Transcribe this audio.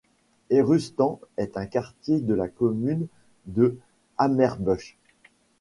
Et Reusten est un quartier de la commune de Ammerbuch.